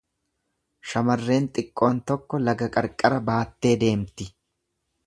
Shamarreen xiqqoon tokko laga qarqara baattee deemti.